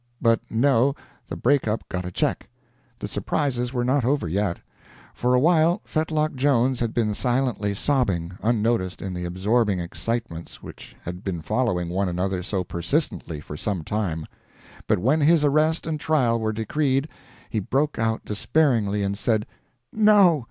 But no the break up got a check. The surprises were not over yet. For a while Fetlock Jones had been silently sobbing, unnoticed in the absorbing excitements which had been following one another so persistently for some time; but when his arrest and trial were decreed, he broke out despairingly, and said, "No!